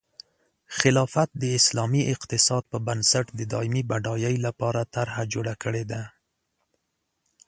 خلافت د اسلامي اقتصاد په بنسټ د دایمي بډایۍ لپاره طرحه جوړه کړې ده.